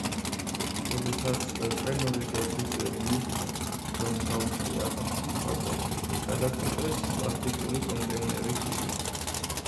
როდესაც ტრენორი და ზიგლერი მიხვდნენ, რომ ბავშვი აღარ სუნთქავდა, გადაწყვიტეს პლასტიკური კონტეინერის ყიდვა.